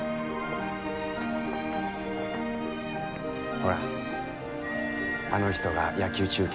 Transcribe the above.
ほらあの人が野球中継の父。